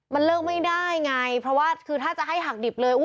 มันเลิกไม่ได้ไงเพราะว่าคือถ้าจะให้หักดิบเลย